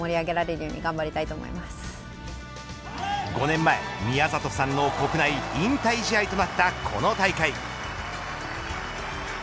５年前宮里さんの国内引退試合となったこの大会。